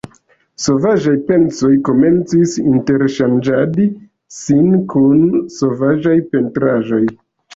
Sovaĝaj pensoj komencis interŝanĝadi sin kun sovaĝaj pentraĵoj.